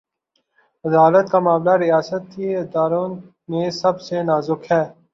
عدالت کامعاملہ، ریاستی اداروں میں سب سے نازک ہے۔